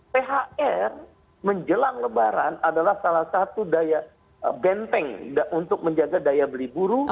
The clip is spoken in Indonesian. thr menjelang lebaran adalah salah satu benteng untuk menjaga daya beli buruh